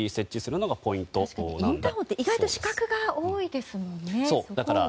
確かにインターホンって意外と死角が多いですからね。